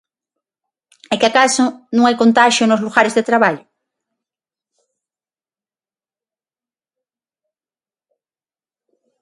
¿É que acaso non hai contaxio nos lugares de traballo?